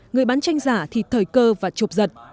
người bán tranh giả thì thời cơ và chụp giật